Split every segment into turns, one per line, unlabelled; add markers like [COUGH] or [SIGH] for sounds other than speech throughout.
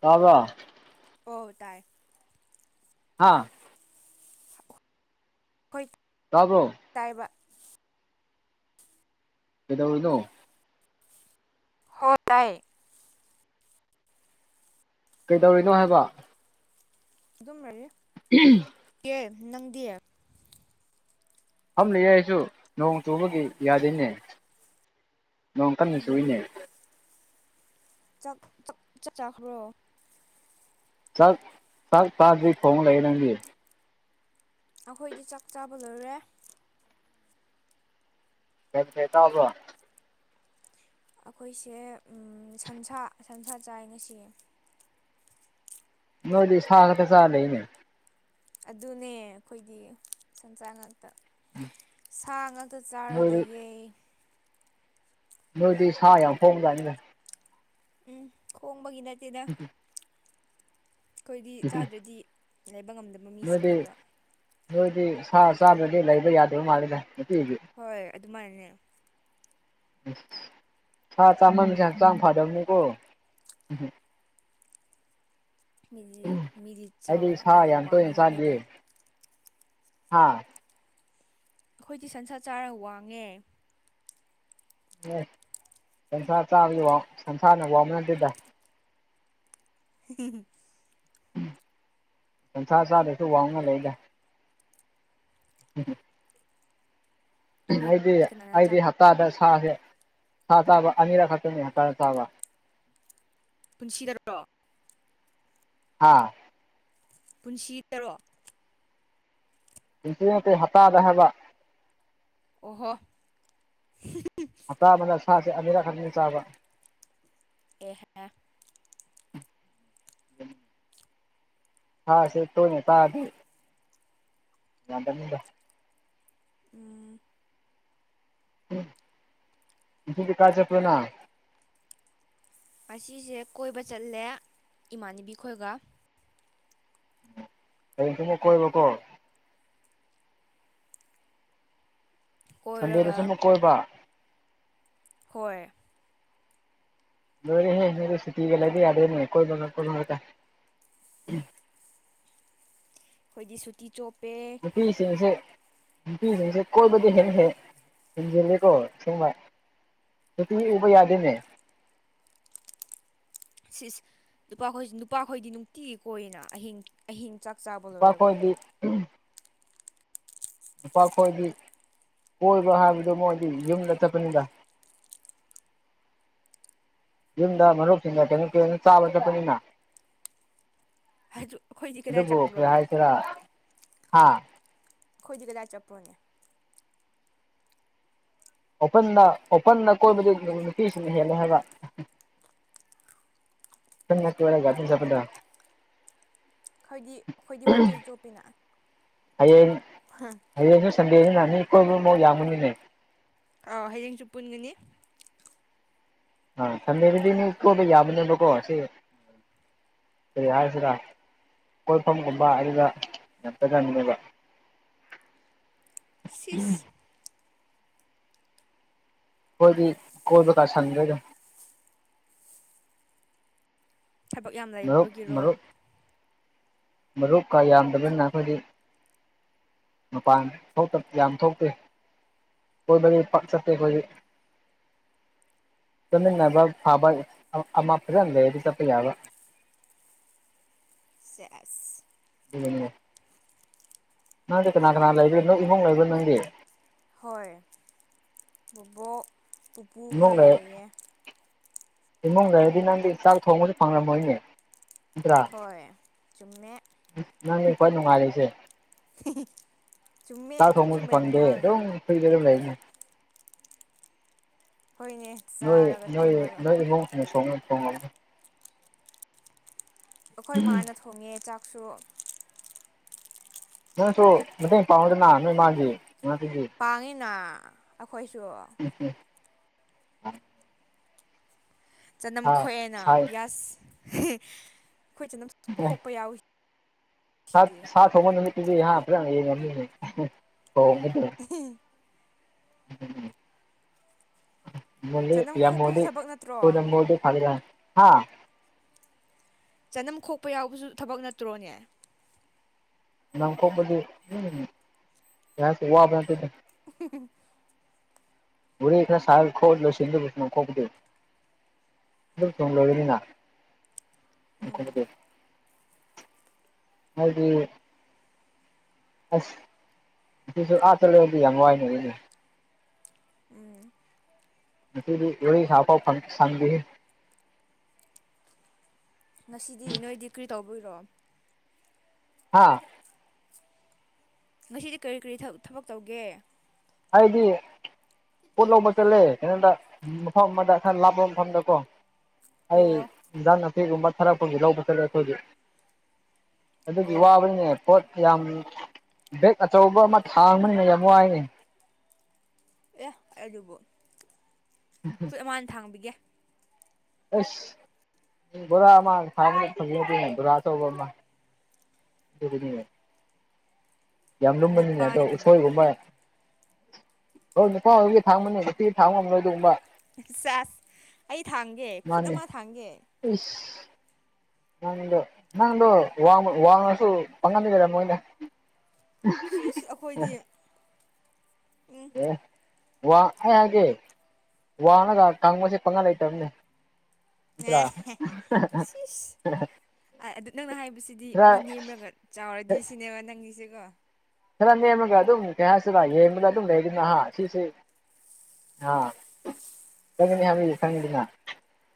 ꯇꯥꯕ꯭ꯔꯣ꯫
ꯑꯣ ꯑꯣ ꯇꯥꯏ꯫
ꯍꯥꯥ꯫
[INAUDIBLE]
ꯇꯥꯕ꯭ꯔꯣ꯫
ꯇꯥꯌꯦꯕ꯫
ꯀꯩꯗꯧꯔꯤꯅꯣ꯫
ꯍꯣ ꯇꯥꯌꯦ꯫
ꯀꯩꯗꯧꯔꯤꯅꯣ ꯍꯥꯏꯕ꯫
ꯑꯗꯨꯝ ꯂꯩꯔꯤꯌꯦ꯫
[UNINTELLIGIBLE]
ꯀꯦ ꯅꯪꯗꯤ꯫
ꯐꯝꯂꯤꯌꯦ ꯑꯩꯁꯨ ꯅꯣꯡ ꯆꯨꯕꯒꯤ ꯌꯥꯗꯦꯅꯦ ꯅꯣꯡ ꯀꯟꯅ ꯆꯨꯌꯦꯅꯦ꯫
ꯥꯆꯥꯛ ꯆꯥꯛ ꯆꯥ ꯆꯥꯈ꯭ꯔꯣ
ꯆꯥꯛ ꯆꯥꯛ ꯆꯥꯗꯔ꯭ꯤ ꯊꯣꯡꯉꯥ ꯂꯩꯏ ꯅꯣꯏꯗꯤ
ꯑꯩꯈꯣꯏꯗꯤ ꯆꯥꯛ ꯆꯥꯕ ꯂꯣꯏꯔꯦ
ꯀꯩ ꯃꯊꯦꯜ ꯆꯕꯔꯣ
ꯑꯩꯈꯣꯏꯁꯦ ꯁꯟꯁꯥ ꯁꯟꯁꯥ ꯆꯥꯏ ꯉꯁꯤ
ꯅꯣꯏꯗꯤ ꯁꯥꯒꯗ ꯆꯥ ꯂꯩꯅꯦ
ꯑꯗꯨꯅꯦ ꯑꯩꯈꯣꯏꯒꯤ ꯁꯟꯁꯥ ꯉꯥꯛꯇ ꯁꯥ ꯉꯥ ꯇ ꯆꯥꯔꯒ
ꯅꯣꯏꯗꯤ
ꯂꯩꯌꯦ
ꯅꯣꯏꯗꯤ ꯁꯥ ꯌꯥꯝ ꯍꯣꯡꯖꯥꯠꯅꯤꯗ
ꯍꯣꯡꯕꯒꯤ ꯅꯠꯇꯦꯗꯥ ꯑꯩꯈꯣꯏꯗꯤ ꯆꯥꯗ꯭ꯔꯗꯤ ꯂꯩꯕ ꯉꯝꯗꯕ
ꯅꯣꯏꯗꯤ
ꯃꯤꯁꯤꯡꯅꯦꯕ
ꯅꯣꯏꯗꯤ ꯁꯥ ꯆꯥꯗꯔꯥꯗꯤ ꯂꯩꯕ ꯌꯥꯗꯕ ꯃꯥꯜꯂꯤꯗ ꯅꯨꯇꯤꯒꯤ
ꯍꯣꯏ ꯑꯗꯨꯃꯥꯏꯅꯅꯦ
ꯎꯝ ꯁ ꯆꯥꯝꯃꯟ ꯕꯁꯤ ꯍꯛꯆꯥꯡ ꯐꯗꯕꯅꯤꯀꯣ ꯎꯝ
ꯃꯤꯗꯤ ꯃꯤꯗꯤ
ꯑꯩꯗꯤ
ꯆꯥꯎꯋꯦꯅ
ꯁꯥ
ꯃꯤꯗꯤ
ꯌꯥꯝ ꯇꯣꯏꯅ
ꯋꯥꯡꯉꯦꯅ ꯑꯩꯈꯣꯏꯗꯤ
ꯍꯥꯥ
ꯑꯩꯈꯣꯏꯗꯤ ꯁꯟꯁꯥ ꯆꯥꯔ ꯋꯥꯡꯉꯦ
ꯑꯦ ꯁꯟꯁꯥ ꯆꯥꯕꯒꯤ ꯋꯥꯡ ꯁꯟꯁꯥꯅ ꯋꯥꯡꯕ ꯅꯠꯇꯦꯗ
ꯍꯤ ꯍꯤ ꯍꯨꯝ
ꯎꯝ ꯁꯟꯁꯥ ꯆꯥꯗꯔꯥꯁꯨ ꯋꯥꯡꯕ ꯂꯩꯗ
ꯅꯣꯏ
ꯑꯩꯗꯤ
ꯀꯅꯥꯅ ꯆꯥ
ꯑꯩꯗꯤ ꯍꯞꯇꯥꯗ ꯁꯥꯁꯦ ꯁꯥ ꯆꯥꯕ ꯑꯅꯤꯔꯛ ꯈꯛꯇꯅꯤ ꯍꯞꯇꯥꯗ ꯆꯥꯕ
ꯄꯨꯟꯁꯤꯗ꯭ꯔꯣ
ꯍꯥꯥ
ꯄꯨꯟꯁꯤ ꯇꯔꯣ
ꯍꯧꯖꯤꯛ ꯅꯠꯇꯦ ꯍꯞꯇꯥꯗ ꯍꯥꯏꯕ
ꯑꯣꯍꯣ ꯍꯨꯝ ꯍꯨꯝ
ꯆꯕꯅꯥ ꯁꯥꯁꯦ ꯑꯅꯤꯔꯛ ꯑꯅꯤꯔꯛ ꯆꯥꯕꯥ
ꯑꯦꯍꯦ
ꯎꯝ ꯁꯥꯁꯦ ꯇꯣꯏꯅꯥ ꯆꯔꯗꯤ ꯌꯥꯗꯝꯅꯤꯗ
ꯎꯝ
ꯎꯝ ꯉꯁꯤꯗꯤ ꯀꯥꯏ ꯆꯠꯄꯥꯅꯣ
ꯑꯁꯤꯁꯦ ꯀꯣꯏꯕ ꯆꯠꯂꯦ ꯏꯃꯥꯟꯅꯕꯤ ꯈꯣꯏꯒ
ꯍꯌꯦꯡ ꯊꯨꯝꯃ ꯀꯣꯏꯕ ꯀꯣ ꯁꯟꯗꯦꯗ
ꯀꯣꯏꯔꯒ
ꯁꯨ ꯃꯨꯛ ꯀꯣꯏꯕ
ꯍꯣꯏ
ꯂꯣꯏꯔꯦ ꯍꯦ ꯅꯣꯏ ꯁꯤꯇꯤꯗ ꯂꯩꯕ ꯌꯥꯗꯦꯅꯦ ꯀꯣꯏꯕꯥ ꯆꯠꯄꯥ ꯃꯔꯛꯇꯥ
ꯑꯩꯈꯣꯏꯗꯤ ꯁꯨꯇꯤ ꯆꯣꯞꯄꯦ
ꯃꯤ ꯁꯤꯡꯁꯦ ꯅꯨꯄꯤꯁꯤꯡꯁꯦ ꯀꯣꯏꯕꯗꯤ ꯍꯦꯟꯅ ꯍꯦꯛ ꯍꯦꯟꯖꯤꯜꯂꯤꯀꯣ ꯁꯦꯡꯕ ꯅꯨꯄꯤ ꯎꯕ ꯌꯥꯗꯅꯦ
ꯁꯤꯁ ꯅꯨꯄꯥꯈꯣꯏ ꯅꯨꯄꯥꯈꯣꯏꯗꯤ ꯅꯨꯡꯇꯤꯒꯤ ꯀꯣꯏꯅ ꯑꯍꯤꯡ ꯑꯍꯤꯡ ꯆꯥꯛ ꯆꯥꯕ
ꯅꯨꯄꯥ
ꯂꯣꯏꯔꯒ
ꯈꯣꯏꯗꯤ ꯅꯨꯄꯥ ꯈꯣꯏꯗꯤ ꯀꯣꯏꯕ ꯍꯥꯏꯕꯗꯣ ꯃꯣꯏꯗꯤ ꯌꯨꯝꯗ ꯆꯠꯄꯅꯤꯗ [INAUDIBLE] ꯌꯨꯝꯗ ꯃꯔꯨꯞꯁꯤꯡꯒꯥ ꯀꯩꯅꯣꯝ ꯄꯨꯟꯅ ꯆꯥꯕ ꯆꯠꯄꯅꯤꯅ
ꯍꯥꯏ
ꯑꯗꯨꯕꯨ ꯀꯩ ꯍꯥꯏꯁꯤꯦꯔꯥ ꯍꯥ
ꯑꯩꯈꯣꯏꯗꯤ ꯀꯗꯥꯏ ꯆꯠꯄ꯭ꯔꯣꯅꯦ
ꯑꯣꯄꯟꯅ ꯑꯣꯄꯟꯟꯅ ꯀꯣꯏꯕꯗꯨ ꯅꯨꯄꯤꯁꯤꯡꯅ ꯍꯦꯜꯂꯦ ꯍꯥꯏꯕ ꯅ ꯀꯦꯒꯒꯥꯗꯅ ꯆꯄꯗ
ꯍꯥꯏꯣꯏꯗꯤ ꯑꯩꯈꯣꯏꯗꯤ ꯍꯨꯇꯤ ꯆꯣꯄꯤꯅ
ꯑꯩꯌꯦ
ꯍꯥ
ꯍꯌꯦꯡꯁꯨ ꯁꯟꯗꯦꯁꯤ ꯅꯥꯅꯤ ꯀꯣꯏꯕꯃꯛ ꯌꯥꯝꯃꯅꯤꯅꯦ
ꯑ ꯍꯌꯦꯡꯁꯨ ꯄꯨꯟꯒꯅꯤ
ꯑ ꯊꯟꯕꯤꯗꯗꯤ ꯃꯤ ꯀꯣꯏꯕ ꯌꯥꯕꯅꯦꯕꯀꯣ ꯁꯤ ꯀꯔꯤ ꯍꯥꯏꯁꯤꯔ ꯀꯣꯏꯐꯝꯒꯨꯝꯕ ꯑꯗꯨꯗ ꯉꯇ ꯉꯅꯦꯕ
ꯁꯤꯁ
ꯑꯩꯏꯗꯤ ꯀꯣꯏ ꯄꯀꯁꯥꯅꯤ ꯀꯒ
ꯊꯕꯛ ꯌꯥꯝ
ꯃꯔꯨꯞ
ꯂꯩꯕꯒꯤꯔꯣ
ꯃꯔꯨꯞꯀꯥ ꯌꯥꯝꯗꯕꯅꯤꯅ ꯑꯩꯈꯣꯏꯗꯤ ꯃꯄꯥꯟ ꯊꯣꯛꯇ ꯌꯥꯝ ꯊꯣꯛꯇꯦ ꯍꯕꯗꯤ ꯆꯠꯇꯦꯗꯤ ꯆꯠꯃꯤꯟꯅꯕ ꯐꯥꯕ ꯑꯃ ꯐꯖꯅ ꯂꯩꯔꯗꯤ ꯆꯠꯄ ꯌꯥꯕ
ꯁꯦꯁ
ꯎꯝ ꯅꯪꯗꯤ ꯀꯅꯥ ꯀꯅꯥ ꯂꯩꯕꯦ ꯅꯪ ꯏꯃꯨꯡ ꯂꯩꯕ ꯅꯪꯗꯤ
ꯍꯣꯏ ꯕꯕꯣꯛ ꯄꯨꯄꯨ ꯈꯣꯏꯒ ꯂꯩꯌꯦ
ꯏꯃꯨꯡꯗꯔꯗꯤ ꯅꯪꯗꯤ ꯆꯥꯛ ꯊꯣꯡꯕꯁꯨ ꯐꯪꯉꯝꯃꯣꯏꯅꯦ
ꯍꯣꯏ ꯆꯨꯝꯃꯦ
ꯅꯪꯅꯦ ꯈ꯭ꯋꯥ ꯅꯨꯡꯉꯥꯏꯔꯤꯁꯦ
ꯆꯨꯝꯃꯦ
ꯇꯥ
ꯑꯆꯨꯝ
ꯇꯣꯡꯉꯁꯨ
ꯆꯨꯝꯕ ꯌꯥꯝ
ꯐꯉꯗꯦ
ꯉꯥꯡꯉꯦ
ꯐ ꯂꯩꯔꯗꯗꯤ ꯂꯩꯅꯤ
ꯍꯣꯏꯅꯦ
ꯅꯣꯏ
ꯆꯥꯔꯒ
ꯅꯣꯏ
ꯇꯨꯝꯔꯒ
ꯅꯣꯏ ꯏꯃꯨꯡ ꯁꯣꯡꯉ ꯊꯣꯡꯉꯝꯅꯤ
ꯑꯩꯈꯣꯏ ꯃꯥꯅ ꯊꯣꯡꯉꯦ ꯆꯥꯛꯁꯨ
ꯅꯪꯁꯨ ꯃꯇꯦꯡ ꯄꯥꯡꯉꯗꯅ ꯅꯣꯏ ꯃꯥꯒꯤꯇꯒꯤ
ꯄꯥꯡꯉꯤꯅ ꯑꯩꯈꯣꯏꯁꯨ
ꯎꯝ
ꯆꯅꯝ
ꯁꯥ
ꯈꯣꯛꯑꯦꯅ
ꯁꯥ
ꯄꯤꯌꯥꯁ ꯑꯩꯈꯣꯏ ꯆꯅꯝ ꯈꯣꯛꯄ ꯌꯥꯎꯏ
ꯁꯥ
ꯁꯤꯗꯤ
ꯁꯕ ꯅꯨꯃꯤꯠꯠꯇꯗꯤꯟ ꯐꯉꯃꯤꯉ
ꯍꯝ
ꯎꯝ ꯃ
ꯆꯅꯝ
ꯌꯥꯝ
ꯈꯣꯛꯄꯁꯨ
ꯃꯣꯗꯤ
ꯊꯕꯛ ꯅꯠꯇ꯭ꯔꯣ
ꯄꯅ ꯃꯣꯗꯤ ꯐ ꯍꯥ
ꯆꯅꯝ ꯈꯣꯛꯄ ꯌꯥꯎꯕꯁꯨ ꯊꯕꯛ ꯅꯠꯇ꯭ꯔꯣꯅꯦ꯫
ꯆꯅꯝ ꯈꯣꯛꯄꯗꯨ ꯉꯥꯏꯍꯥꯛꯁꯨ ꯋꯥꯕ ꯅꯠꯇꯗ
[UNINTELLIGIBLE]
ꯎꯦ ꯈ ꯁ ꯈꯣꯠ ꯂ ꯁꯤ ꯈꯣꯛꯗ [UNINTELLIGIBLE] ꯂꯒꯅꯤꯗ ꯍꯥꯏꯕꯗꯤ꯫ ꯑꯁ ꯁꯤꯁꯨ ꯑꯥ ꯆꯥꯠꯂꯗꯤ ꯌꯥꯝ ꯋꯥꯏꯅ ꯏꯅꯦ
ꯎꯝ꯫
ꯉꯁꯤꯗꯤ ꯋꯥꯔꯤ ꯁꯥꯐꯥꯎ ꯐꯪ ꯁꯥꯡꯗꯦꯍꯦ
ꯉꯁꯤꯗꯤ ꯅꯣꯏꯗꯤ ꯀꯔꯤ ꯇꯧꯕꯣꯏꯔꯣ꯫
ꯍꯥꯥ
ꯉꯁꯤꯗꯤ ꯀꯔꯤ ꯀꯔꯤ ꯊꯕꯛ ꯇꯧꯒꯦ꯫
ꯑꯩꯏꯗꯤ ꯄꯣꯠ ꯂꯧꯕ ꯆꯠꯂꯦ ꯀꯩꯅꯣꯗ ꯃꯐꯝ ꯑꯃꯗ ꯈꯔ ꯂꯥꯞꯄ ꯃꯐꯝꯗ ꯀꯣ ꯑꯩ
ꯑꯣ
ꯏꯟꯖꯥꯡ ꯅꯥꯄꯤꯒꯨꯝꯕ ꯊꯥꯔꯛꯄꯒꯤ ꯂꯧꯕ ꯆꯔꯦ ꯑꯩꯈꯣꯏꯗꯤ ꯑꯗꯨꯒꯤ
ꯑꯣ
ꯋꯥꯕꯅꯤꯅꯦ ꯄꯣꯠ ꯌꯥꯝ ꯕꯦꯛ ꯑꯆꯧꯕ ꯑꯃ ꯊꯥꯡꯕꯅꯤꯅ ꯌꯥꯝ ꯋꯥꯏꯅꯤ꯫
ꯑꯩꯒꯤꯕꯨ
ꯎꯝ ꯍꯝ
ꯀꯣꯏꯠ ꯑꯃꯥꯟꯅ ꯊꯥꯡꯕꯤꯒꯦ꯫
ꯑꯁ ꯕꯣꯔꯥ [UNINTELLIGIBLE] ꯕꯣꯔ ꯑꯆꯧꯕ ꯑꯃ ꯑꯗꯨꯒꯤꯅꯦ ꯌꯥꯝ ꯂꯨꯝꯕꯅꯤꯅ ꯑꯗꯣ
ꯅꯨꯄꯥꯅꯦ ꯀꯩꯅꯣ
ꯎꯁꯣꯏꯒꯨꯝꯕ꯫ ꯅꯨꯄꯥ ꯑꯣꯏꯕꯒꯤ ꯊꯥꯡꯕꯅꯦ ꯅꯨꯄꯤ ꯊꯥꯡꯕ ꯉꯝ ꯅꯣꯏ ꯑꯗꯨꯒꯨꯝꯕ
ꯁꯦꯁ ꯑꯩ ꯊꯥꯡꯒꯦ ꯈꯨꯠ ꯑꯃ
ꯃꯥꯅꯦ
ꯊꯥꯡꯒꯦ꯫
ꯏꯁ꯫ ꯅꯪꯗꯣ ꯅꯪꯗꯣ ꯋꯥꯡꯉꯁꯨ ꯐꯥꯡꯍꯟꯈꯤ ꯃꯣꯏꯗ
ꯁꯤꯁ ꯑꯩꯈꯣꯏꯗꯤ ꯎꯝ
ꯑꯦ ꯋꯥ ꯑꯩ ꯍꯥꯏꯒꯦ ꯋꯥꯅꯒ ꯀꯥꯡꯕꯁꯦ ꯄꯪꯉꯥ ꯂꯩꯇꯕꯅꯦ ꯅꯠꯇ꯭ꯔꯥ
ꯁꯤꯁ ꯑꯗꯨ ꯅꯪꯅ ꯍꯥꯏꯕꯁꯤꯗꯤ
ꯈꯔ
ꯃꯤ ꯅꯦꯝꯔꯒ ꯆꯥꯎꯔꯗꯤ ꯁꯤꯅꯦꯕ ꯅꯪꯒꯤꯁꯤꯀꯣ꯫
ꯈꯔ ꯅꯦꯝꯃꯒ ꯑꯗꯨꯝ ꯀꯩ ꯍꯥꯏꯁꯤꯔ ꯌꯦꯡꯕꯗ ꯑꯗꯨꯝ ꯂꯩꯗꯨꯅ ꯑꯍꯥ ꯁꯤꯁꯦ꯫ ꯑꯅꯤ ꯍꯥꯏ ꯐꯪꯅ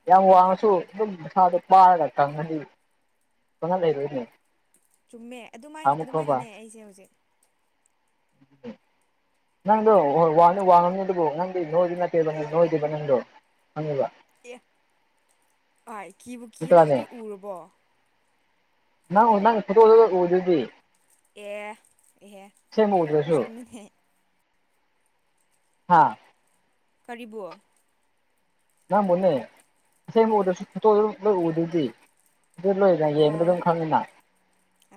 ꯌꯥꯝ ꯋꯥꯡꯉꯁꯨ ꯑꯗꯨꯝ ꯃꯁꯥꯗꯣ ꯄꯥꯔꯒ ꯀꯪꯉꯗꯤ ꯄꯥꯡꯒꯜ ꯂꯩꯔꯦꯏꯅꯤ
ꯆꯨꯝꯃꯦ ꯑꯗꯨꯃꯥꯏ ꯑꯗꯨꯃꯥꯏꯅꯅꯦ ꯑꯩꯁꯦ ꯍꯧꯖꯤꯛ
ꯅꯪꯗꯣ ꯍꯣꯏ ꯋꯥꯅꯤ ꯋꯥꯉꯝꯅꯤ ꯑꯗꯨꯕꯨ ꯅꯪꯗꯤ ꯅꯣꯏꯗꯤ ꯅꯠꯇꯦꯕ ꯅ ꯅꯣꯏꯗꯕ ꯅꯪꯗꯣ ꯈꯪꯉꯦꯕ
ꯑꯦ ꯑꯥꯏ ꯀꯤꯕꯨ ꯀꯦ ꯅꯪ
ꯅꯠꯇ꯭ꯔꯥꯅꯦ
ꯑꯩ ꯎꯔꯕꯣ꯫
ꯅꯪ ꯅꯪ ꯐꯣꯇꯣ ꯑꯗꯨ ꯎꯗꯨꯗꯤ
ꯑꯦ ꯑꯦꯍꯦ
ꯑꯁꯦꯡꯕ ꯎꯗ꯭ꯔꯁꯨ
ꯆꯨꯝꯃꯤꯅꯦ
ꯍꯥꯥ
ꯀꯔꯤꯕꯨ
ꯅꯪꯕꯨꯅꯦ ꯑꯁꯦꯡꯕ ꯑꯨꯗꯔꯁꯨ ꯐꯣꯇꯣ ꯂꯣꯏ ꯎꯕꯗꯨꯗꯤ ꯑꯗꯨ ꯂꯣꯏ [UNINTELLIGIBLE] ꯑꯗꯨꯝ ꯈꯪꯏꯅ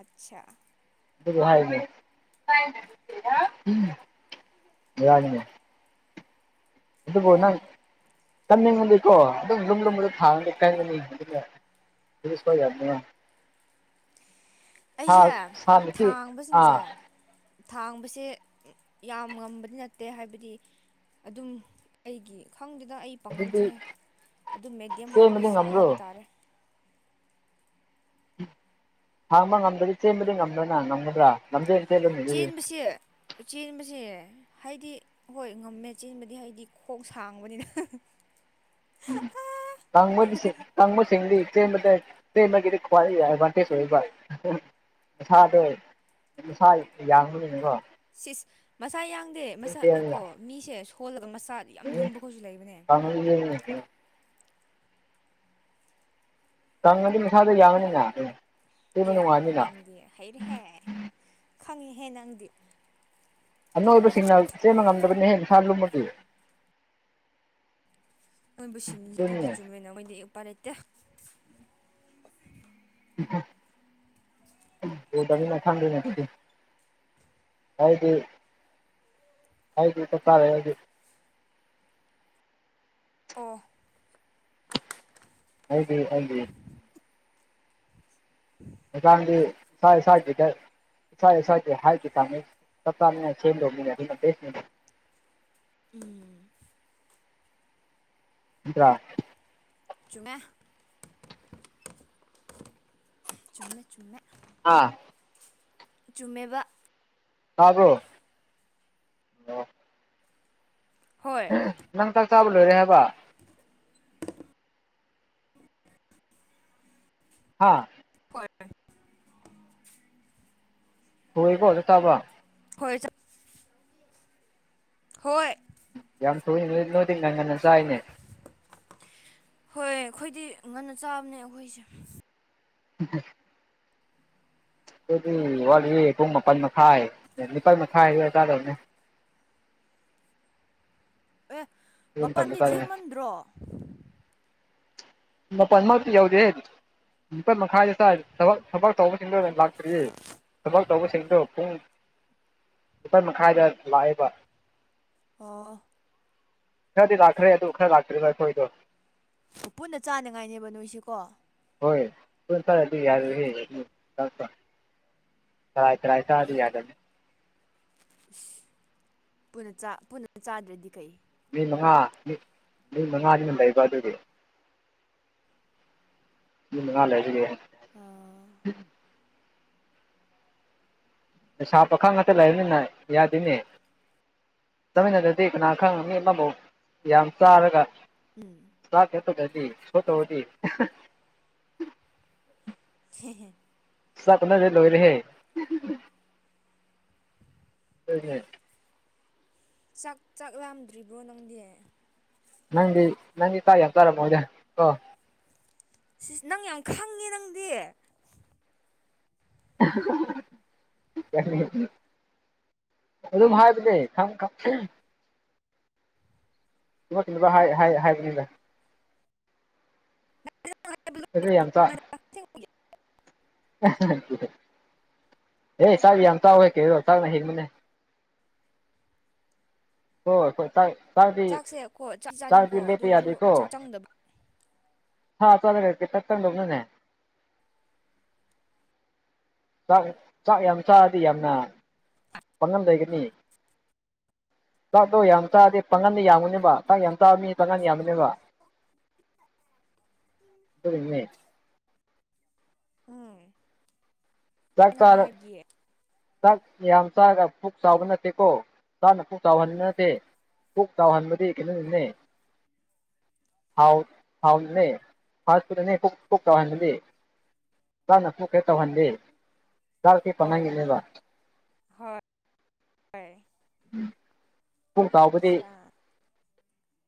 ꯑꯆꯥ
ꯍꯥꯏꯅꯤ ꯑꯗꯨꯕꯨ ꯅꯪ ꯀꯟꯅꯤꯡꯉꯗꯤꯀꯣ ꯑꯗꯨꯝ ꯂꯨꯝ ꯂꯨꯝꯕꯗ ꯊꯥꯡꯅꯤ ꯀꯥꯟꯒꯅꯤ [UNINTELLIGIBLE]
ꯑꯩꯁꯦ ꯊꯥꯡꯕꯁꯤꯡꯁꯦ ꯊꯥꯡꯕꯁꯦ ꯌꯥꯝ ꯉꯝꯕꯗꯤ ꯅꯠꯇꯦ ꯍꯥꯏꯕꯗꯤ ꯑꯗꯨꯝ ꯑꯩꯒꯤ ꯈꯪꯗꯨꯗ ꯑꯩ ꯄꯥꯡꯒꯟꯁꯦ
ꯑꯗꯨꯗꯤ
ꯑꯗꯨ ꯃꯦꯗꯤꯌꯝ ꯍꯥꯏꯕ
ꯆꯦꯟꯕꯗꯤ ꯉꯝꯕ꯭ꯔꯣ
ꯍꯥꯏꯕ ꯇꯥꯔꯦ
ꯍꯥꯡꯕ ꯉꯝꯗꯗꯤ ꯆꯦꯟꯕꯗꯤ ꯉꯝꯗꯅ ꯉꯝꯒꯗ꯭ꯔꯥ ꯅꯝꯖꯦꯜ ꯆꯦꯜꯂꯨꯅꯦ
ꯆꯦꯟ
ꯑꯗꯨꯗꯤ
ꯕꯁꯤ ꯆꯦꯟꯕꯁꯦ ꯍꯥꯏꯗꯤ ꯍꯣꯏ ꯉꯝꯃꯦ ꯆꯦꯟꯕꯗꯤ ꯍꯥꯏꯗꯤ ꯈꯣꯡ ꯁꯥꯡꯕꯅꯤꯅ
ꯎꯝ ꯀꯥꯡꯕꯨꯗꯤ ꯀꯥꯡꯕꯨꯁꯤꯡꯗꯤ ꯆꯕꯗ ꯆꯦꯟꯕꯒꯤꯗꯤ ꯈ꯭ꯋꯥꯏ ꯑꯦꯗꯚꯥꯟꯇꯦꯖ ꯑꯣꯏꯕ ꯃꯁꯥꯗꯣ ꯁꯥ ꯌꯥꯡꯕꯅꯤꯅꯀꯣ
ꯁꯤꯁ ꯃꯆꯥ ꯌꯥꯡꯗꯦ
ꯑꯗꯨꯝ
ꯃꯆꯥ
ꯆꯦꯜꯂꯤꯅ
ꯀꯣ ꯃꯤꯁꯦ ꯁꯣꯜꯂꯒ ꯃꯆꯥ ꯌꯥꯝ ꯂꯨꯝꯕ ꯈꯣꯏꯁꯨ ꯂꯩꯕꯅꯦ
ꯎꯝ ꯀꯪꯉꯗꯤ ꯃꯁꯥꯗ ꯌꯥꯒꯅꯤꯅ
ꯏ ꯅꯪꯗꯤ ꯍꯩꯔꯦꯍꯦ ꯈꯪꯉꯦꯍꯦ ꯅꯪꯗꯤ
ꯑꯅꯣꯏꯕꯁꯤꯡꯅ ꯆꯦꯟꯕ ꯉꯝꯗꯕꯅꯤ ꯍꯦꯟ ꯁꯥ ꯂꯨꯝꯃꯗꯤ
ꯃꯣꯏꯕꯨ ꯁꯤꯡꯉ ꯑꯗꯨꯗꯤ
ꯑꯗꯨꯅꯤꯅꯦ
ꯆꯨꯝꯃꯦꯅ ꯃꯣꯏꯗꯤ ꯎꯛꯄꯔꯦꯇꯦ
ꯎꯝ ꯎꯗꯕꯤꯅ ꯈꯪꯗꯣꯏꯅꯦ ꯑꯗꯨꯗꯤ ꯍꯥꯏꯗꯤ ꯍꯥꯏꯗꯤ ꯆꯠꯇꯥꯔꯦ ꯍꯥꯏꯗꯤ
ꯑꯣꯐ
ꯍꯗꯤ ꯍꯗꯤ ꯀꯥꯟꯗꯤ ꯁꯥꯒ ꯁ ꯍꯥꯏꯇꯥ ꯁꯇꯥ [UNINTELLIGIBLE]
ꯎꯝ
ꯎ꯭ꯔꯥ
ꯆꯨꯝꯃꯦ ꯆꯨꯝꯃꯦ ꯆꯨꯝꯃꯦ
ꯑꯥ
ꯆꯨꯝꯃꯦꯕ
ꯇꯥꯕꯔꯣ
ꯍꯣꯏ
ꯅꯪ ꯆꯥꯛ ꯆꯥꯕ ꯂꯣꯏꯔꯦ ꯍꯥꯏꯕ ꯍꯥ
ꯍꯣꯏ ꯍꯣꯏ꯫
ꯍꯣꯏꯕꯣ ꯑꯗꯨ ꯇꯥꯕ
ꯍꯣꯏ ꯆ ꯍꯣꯏ
ꯌꯥꯝ ꯊꯨꯏ ꯅꯣꯏ ꯅꯣꯏꯗꯤ ꯉꯪ ꯉꯟꯅ ꯆꯥꯏꯅꯦ
ꯍꯣꯏ ꯑꯩꯈꯣꯏꯗꯤ ꯉꯟꯅ ꯆꯥꯕꯅꯦ ꯑꯩꯈꯣꯏꯁꯦ
ꯎꯝ ꯑꯗꯨꯗꯤ ꯋꯥꯠꯂꯤ ꯄꯨꯡ ꯃꯥꯄꯜ ꯃꯈꯥꯏ ꯂꯄꯥꯜ ꯃꯈꯥꯏ ꯆꯥꯗꯧꯅꯦ
ꯑꯦ
ꯑꯗꯨ ꯃꯇꯝꯗ
ꯃꯄꯜꯗꯤ
ꯆꯥꯗꯣꯏꯅꯦ
ꯊꯦꯡꯃꯟꯗ꯭ꯔꯣ
ꯃꯥꯄꯜꯃꯛꯇꯤ ꯌꯧꯗꯦ ꯂꯄꯥ ꯃꯈꯥꯏꯗ ꯁꯥꯏ ꯊꯕ ꯊꯕꯛ ꯇꯧꯕꯁꯤꯡꯗ ꯂꯥꯛꯇ꯭ꯔꯤꯌꯦ ꯊꯕꯛ ꯇꯧꯕꯁꯤꯡꯗꯣ ꯄꯨꯡ ꯂꯄꯥꯜ ꯃꯈꯥꯏꯗ ꯂꯥꯛꯑꯦꯕ
ꯑꯣ
ꯈꯔꯗꯤ ꯂꯥꯛꯈ꯭ꯔꯦ ꯑꯗꯨ ꯈꯔ ꯂꯥꯛꯇ꯭ꯔꯦ ꯑꯩꯈꯣꯏꯗꯣ
ꯑꯣ ꯄꯨꯟꯅ ꯆꯥꯅꯉꯥꯏꯅꯦꯕ ꯅꯣꯏꯁꯤꯀꯣ
ꯍꯣꯏ ꯍ ꯐꯔꯦ ꯑꯗꯨ ꯌꯥꯔ ꯍ ꯏ ꯇꯔꯥꯏ ꯏꯁꯥ ꯑꯗꯨ ꯌꯥꯗꯅꯤ
ꯁ ꯄꯨꯟꯅ ꯆꯥꯗ꯭ꯔꯗꯤ ꯀꯩ
ꯃꯤ ꯃꯉꯥ ꯃꯤ ꯃꯤ ꯃꯉꯥꯅꯤꯅꯝ ꯂꯩꯕ ꯑꯗꯨꯗꯤ ꯎꯉꯂ ꯑꯁꯥ ꯄꯈꯥ ꯉꯥꯛꯇ ꯂꯩꯔꯕꯅꯤꯅ ꯌꯥꯗꯣꯏꯅꯦ ꯆꯠꯃꯤꯟꯅꯗꯗꯤ ꯀꯅꯥ ꯈꯪꯕ ꯃꯤ ꯑꯃꯕꯨꯥꯎ ꯌꯥꯝ ꯆꯥꯔꯒ
ꯎꯝ
ꯁꯥ ꯀꯦꯇ ꯀꯖꯤ ꯁꯣ ꯇ ꯍꯧꯖꯤ
ꯍꯦ ꯍꯦ
ꯆ ꯀꯅ ꯂꯣꯏꯔꯤꯦꯍꯦ ꯑꯗꯨ
ꯆꯥꯛ ꯆꯥꯛ ꯌꯥꯝꯗ꯭ꯔꯤꯕ꯭ꯔꯣ ꯅꯪꯗꯤ
ꯅꯪꯗꯤ ꯅꯪꯗꯤ ꯀꯥꯏ ꯌꯥꯝ ꯀꯥꯔꯝꯃꯣꯗ ꯀꯣ
ꯁꯤꯁ ꯅꯪ ꯌꯥꯝ ꯈꯪꯉꯦ ꯅꯪꯗꯤ
[UNINTELLIGIBLE] ꯑꯣ ꯑꯗꯨꯝ ꯍꯥꯗꯅꯦ ꯈꯝ ꯈ ꯍꯥꯏ ꯍꯥꯏ ꯍꯥꯏꯕꯅꯤꯗ
[UNINTELLIGIBLE]
ꯑꯗꯨ ꯌꯥꯝ ꯆ
[UNINTELLIGIBLE]
[UNINTELLIGIBLE] ꯑꯦ ꯆꯥꯛ ꯌꯥꯝ ꯆꯥꯎꯋꯦ ꯀꯩꯔꯣ ꯆꯥꯛꯅ ꯍꯤꯡꯕꯅꯦ ꯍꯣꯏ ꯆꯥꯗꯤ
ꯆꯥꯛꯁꯦꯀꯣ ꯆꯥꯛ
ꯆꯥꯗꯤ
ꯆꯥꯅꯤꯡꯀꯣ
ꯂꯦꯞꯄ
ꯑꯗꯨꯁꯨ
ꯌꯥꯗꯦꯀꯣ
ꯆꯥꯛ ꯆꯪꯗꯕ
ꯍ ꯆꯂꯔꯦꯠꯇ ꯂꯣꯛꯅꯅꯦ ꯆꯥꯛ ꯆꯥꯛ ꯌꯥꯝ ꯆꯥꯗꯤ ꯌꯥꯝꯅ ꯄꯪꯉꯝ ꯂꯩꯒꯅꯤ ꯇꯥꯛꯗꯣ ꯌꯥꯝ ꯆꯥꯗꯤ ꯄꯥꯡꯒꯟꯗ ꯌꯥꯝꯃꯨꯅꯦꯕ ꯊꯥꯛ ꯌꯥꯝ ꯆꯥꯕ ꯃꯤ ꯄꯥꯡꯒꯟ ꯌꯥꯝꯃꯅꯦꯕ ꯑꯗꯨ ꯏꯃꯦ
ꯎꯝ
ꯆꯛ
ꯅꯪꯅ
ꯆꯔꯥ
ꯍꯥꯏꯕꯒꯤ
ꯆꯥꯛ ꯌꯥꯝ ꯆꯥꯒ ꯄꯨꯛ ꯆꯥꯎꯕ ꯅꯠꯇꯦꯀꯣ ꯆꯥꯅ ꯄꯨꯛ ꯆꯥꯎꯍꯟꯕ ꯅꯠꯇꯦ ꯀꯛ ꯆꯥꯎꯍꯟꯕꯗꯤ ꯀꯩꯅꯣꯅꯤꯅꯦ ꯍꯥꯎ ꯍꯥꯎꯅꯦ ꯐ ꯐꯅꯦ ꯆꯥꯎꯋꯥꯅ ꯂꯩ ꯆꯅ ꯍꯨ ꯀꯦ ꯇꯧꯍꯟꯗꯦ ꯆꯥꯛ ꯀꯦ
ꯍꯣꯏ
ꯄꯥꯅꯪꯒꯤꯅꯦꯕ
ꯍꯣꯏ ꯍꯣꯏ
ꯎ ꯄꯨꯡ ꯆꯥꯎꯕꯗꯤ
ꯑꯆꯥ